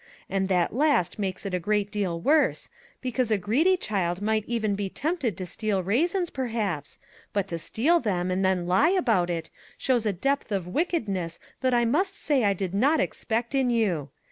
And that last makes it a great deal worse, because a greedy child might even be tempted to steal raisins, perhaps ; but to steal them, and then lie about it, shows a depth of wickedness that I must say I did not expect in you.